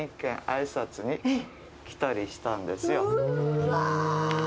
うわ。